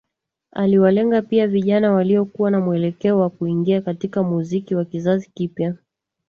Aliwalenga pia vijana waliokuwa na mwelekeo wa kuingia katika muziki wa kizazi kipya